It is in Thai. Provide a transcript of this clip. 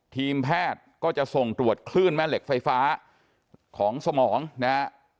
ทีมแพทย์ก็จะส่งตรวจคลื่นแม่เหล็กไฟฟ้าของสมองนะฮะ